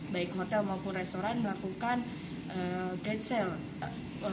baik hotel maupun restoran melakukan dan sale